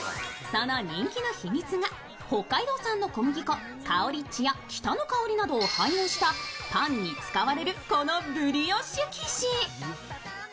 その人気の秘密が北海道産の小麦粉・カオリっちやキタノカオリなどを配合した、パンに使われる、このブリオッシュ生地。